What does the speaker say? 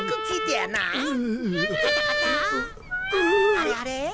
あれあれ？